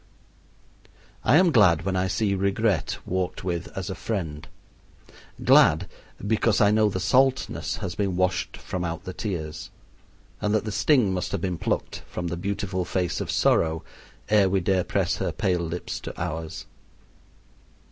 I am glad when I see Regret walked with as a friend glad because I know the saltness has been washed from out the tears, and that the sting must have been plucked from the beautiful face of Sorrow ere we dare press her pale lips to ours.